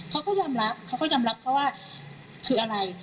เขาก็ยอมรับเขาก็ยอมรับเขาว่าคืออะไร